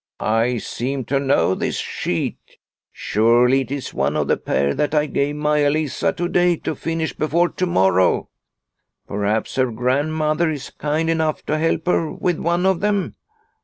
" I seem to know this sheet. Surely, it is one of the pair that I gave Maia Lisa to day to finish before to morrow. Perhaps her Grand mother is kind enough to help her with one of them.